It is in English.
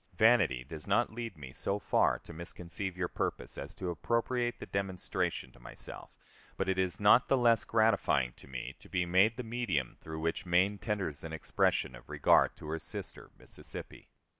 Vanity does not lead me so far to misconceive your purpose as to appropriate the demonstration to myself; but it is not the less gratifying to me to be made the medium through which Maine tenders an expression of regard to her sister, Mississippi.